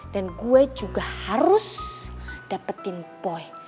dan gue juga harus dapetin boy